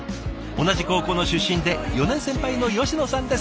同じ高校の出身で４年先輩の吉野さんです。